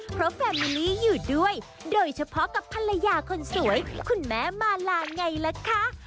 เพราะแฟนมิลลี่อยู่ด้วยโดยเฉพาะกับภรรยาคนสวยคุณแม่มาลาไงล่ะคะ